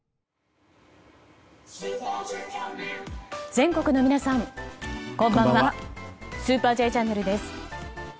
全国の皆さん、こんばんは「スーパーＪチャンネル」です。